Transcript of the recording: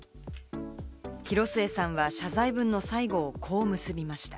広末さんは謝罪文の最後をこう結びました。